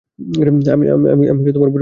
আমি তোমার পরিবারটা নষ্ট করতে চাই না।